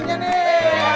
satu satu satu